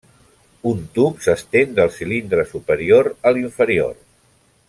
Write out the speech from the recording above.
Un tub s'estén del cilindre superior a l'inferior.